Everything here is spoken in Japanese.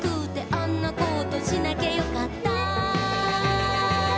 「あんなことしなきゃよかったな」